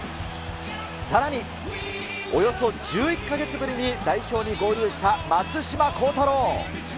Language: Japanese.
さらに、およそ１１か月ぶりに代表に合流した松島幸太朗。